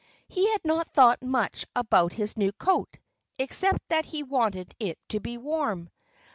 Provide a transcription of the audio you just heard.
He had not thought much about his new coat except that he wanted it to be warm.